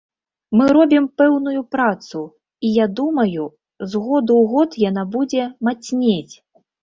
Мы робім пэўную працу, і, я думаю, з году ў год яна будзе мацнець.